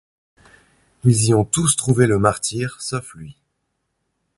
Il y ont tous trouvé le martyre, sauf lui.